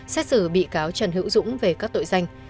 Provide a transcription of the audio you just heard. xét xử bị cáo trần hữu dũng về các tội danh